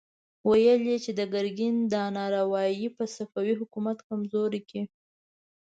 ويې ويل چې د ګرګين دا نارواوې به صفوي حکومت کمزوری کړي.